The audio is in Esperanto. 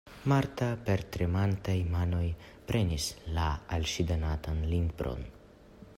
Marta per tremantaj manoj prenis la al ŝi donatan libron.